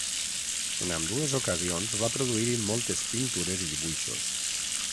En ambdues ocasions va produir-hi moltes pintures i dibuixos.